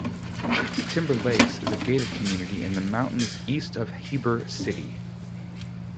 Timber Lakes is a private gated community in the mountains east of Heber City.